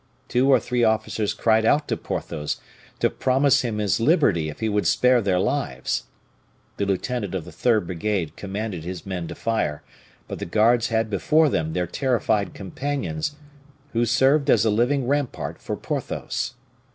Two or three officers cried out to Porthos to promise him his liberty if he would spare their lives. The lieutenant of the third brigade commanded his men to fire; but the guards had before them their terrified companions, who served as a living rampart for Porthos.